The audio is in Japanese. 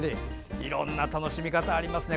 いろんな楽しみ方、ありますね。